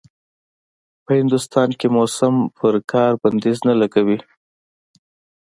په هندوستان کې موسم پر کار بنديز نه لګوي.